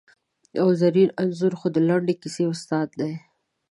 او زرین انځور خو د لنډې کیسې استاد دی!